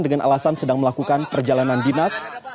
dengan alasan sedang melakukan perjalanan dinas